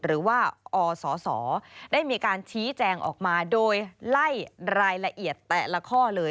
หรือว่าอศได้มีการชี้แจงออกมาโดยไล่รายละเอียดแต่ละข้อเลย